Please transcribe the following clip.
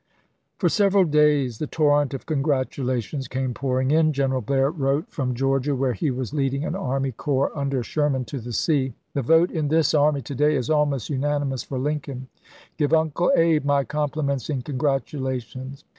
For several days the torrent of congratulations came pouring in. General Blair wrote from LINCOLN EEfiLECTED 379 Georgia, where he was leading an army corps chap.xvi. under Sherman to the sea :" The vote in this army to day is almost unanimous for Lincoln. Give Uncle Abe my compliments and congratula tions."